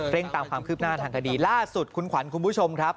ตามความคืบหน้าทางคดีล่าสุดคุณขวัญคุณผู้ชมครับ